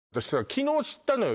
昨日知ったのよ